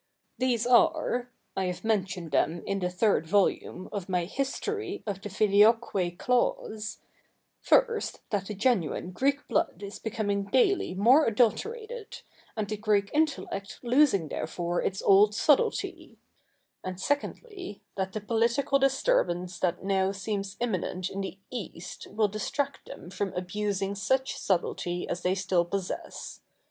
These are — I have mentioned them in the third volume of my '' History of the Filioque Clause" — first, that the genuine Greek blood is becoming daily more adulterated, and the Greek intellect losing therefore its old subtlety ; and secondly, that the political disturbance that now seems imminent in the East will distract them from abusing such subtlety as they still possess.